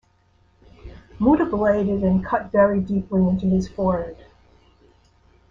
Muta bladed and cut very deeply into his forehead.